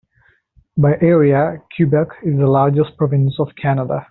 By area, Quebec is the largest province of Canada.